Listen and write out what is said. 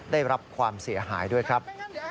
ได้รับความเสียหายด้วยครับ